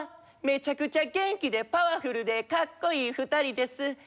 めちゃくちゃ元気でパワフルでかっこいい２人です。